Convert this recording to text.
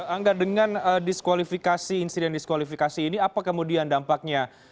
angga dengan disqualifikasi insiden disqualifikasi ini apa kemudian dampaknya